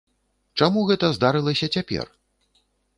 Чаму гэта здарылася цяпер?